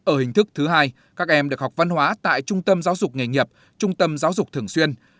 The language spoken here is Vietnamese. ở hình thức thứ hai các em được học văn hóa tại trung tâm giáo dục nghề nghiệp trung tâm giáo dục thường xuyên